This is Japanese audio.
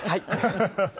ハハハハ。